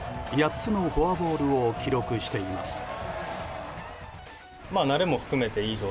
８つのフォアボールを記録しています。